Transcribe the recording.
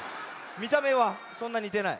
みためはそんなにてない。